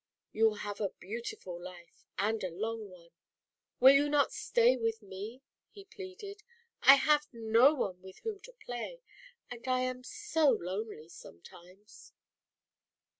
You will live a beautiful life, and long one. Will you not stay with ^," he pleaded, "I have no one with 1 \l whom to play, and I am so lonely ometimes.